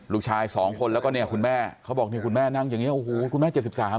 ลูกชายสองคนแล้วก็เนี่ยคุณแม่เขาบอกเนี่ยคุณแม่นั่งอย่างเงี้โอ้โหคุณแม่๗๓